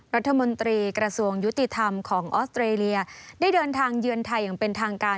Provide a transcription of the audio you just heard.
รัฐมนตรีกระทรวงยุติธรรมของออสเตรเลียได้เดินทางเยือนไทยอย่างเป็นทางการ